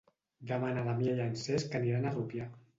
Demà na Damià i en Cesc aniran a Rupià.